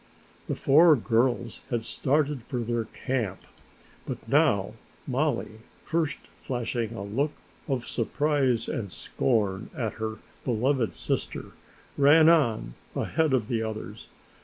The four girls had started for their camp, but now Mollie, first flashing a look of surprise and scorn at her usually beloved sister, ran on ahead of the others.